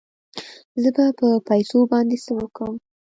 زه به په پيسو باندې څه وکم.